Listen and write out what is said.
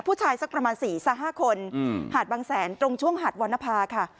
ผู้ชายสักประมาณ๔๕คนหาดบางแสนตรงช่วงหาดวรรณภาค่ะ